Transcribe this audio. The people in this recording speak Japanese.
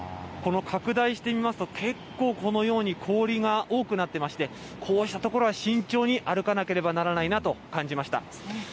拡大してみますと、結構このように氷が多くなってまして、こうした所は慎重に歩かなければならないなと感じました。